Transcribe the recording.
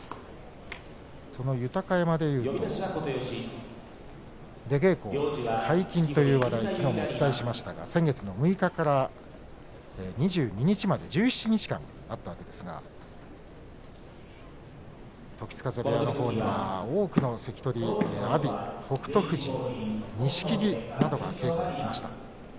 豊山でいうと出稽古解禁という話題をお伝えしましたが先月の６日から２２日まで１７日間あったんですが時津風部屋のほうに多くの関取が阿炎、北勝富士錦木などが稽古に来ました。